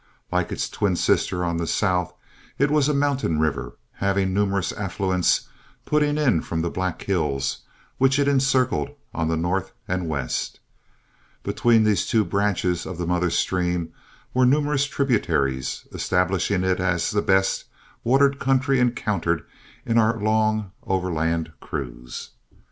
Like its twin sister on the south, it was a mountain river, having numerous affluents putting in from the Black Hills, which it encircled on the north and west. Between these two branches of the mother stream were numerous tributaries, establishing it as the best watered country encountered in our long overland cruise.